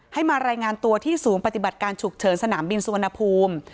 มารายงานตัวที่ศูนย์ปฏิบัติการฉุกเฉินสนามบินสุวรรณภูมิ